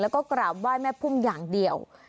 แล้วก็กราบไหว้แม่พุ่มอย่างเดียว